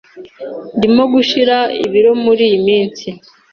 Ndimo gushira ibiro muriyi minsi.